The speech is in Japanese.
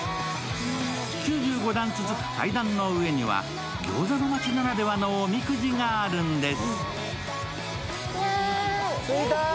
９５段続く階段の上には、餃子の街ならではのおみくじがあるんです。